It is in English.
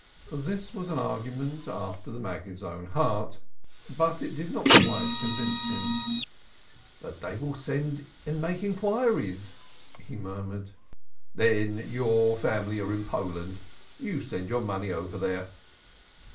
This was an argument after the Maggid's own heart, but it did not quite convince him. "But they will send and make inquiries," he murmured. "Then your family are in Poland; you send your money over there."